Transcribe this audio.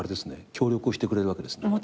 協力をしてくれるわけですか。